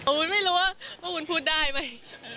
วุ้นไม่รู้ว่าวุ้นพูดได้ไหม